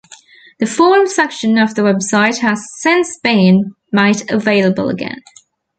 The Forum section of the website has since been made available again.